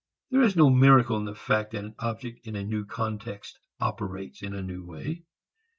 There is no miracle in the fact that an object in a new context operates in a new way.